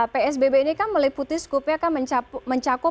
psbb ini kan meliputi scope mencakup